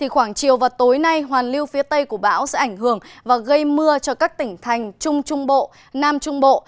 khoảng chiều và tối nay hoàn lưu phía tây của bão sẽ ảnh hưởng và gây mưa cho các tỉnh thành trung trung bộ nam trung bộ